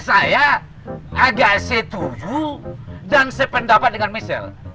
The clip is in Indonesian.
saya agak setuju dan sependapat dengan michelle